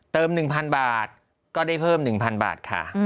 ๑๐๐๐บาทก็ได้เพิ่ม๑๐๐บาทค่ะ